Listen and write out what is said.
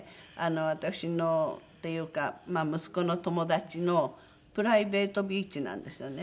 私のというか息子の友達のプライベートビーチなんですよね。